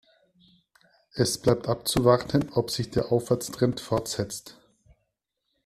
Es bleibt abzuwarten, ob sich der Aufwärtstrend fortsetzt.